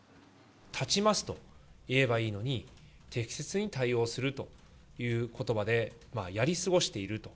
絶ちますと言えばいいのに、適切に対応するということばでやり過ごしていると。